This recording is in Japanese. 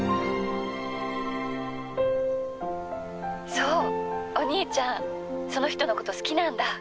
そうお兄ちゃんその人のこと好きなんだ。